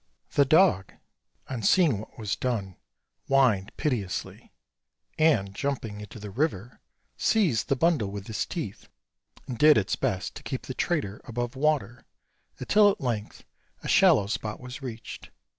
The dog, on seeing what was done, whined piteously, and jumping into the river, seized the bundle with his teeth and did its best to keep the trader above water until at length a shallow spot was reached.